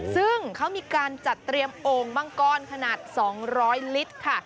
ซึ่งเขามีการจัดเตรียมโอ่งมังกรขนาด๒๐๐ลิตรค่ะ